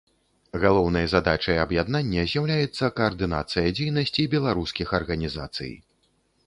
Галоўнай задачай аб'яднання з'яўляецца каардынацыя дзейнасці беларускіх арганізацый.